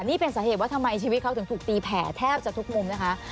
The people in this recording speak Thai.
นี่เป็นสาเหตุว่าทำไมชีวิตเขาถึงถูกตีแผ่แทบจะทุกมุมนะคะ